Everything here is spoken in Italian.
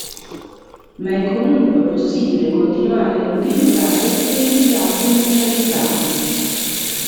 Ma è comunque possibile continuare ad utilizzare quelli già commercializzati.